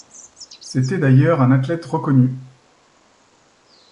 C'était d'ailleurs un athlète reconnu.